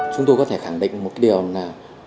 chúng tôi có thể khẳng định một điều là